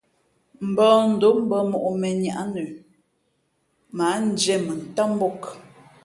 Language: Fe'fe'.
Mbᾱᾱndǒm mbᾱ mǒʼ mēnniáʼ nə mα ǎ ndiē mά ntám mbōk.